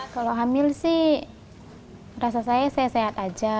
kalau hamil sih rasa saya sehat saja